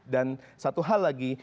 dan satu hal lagi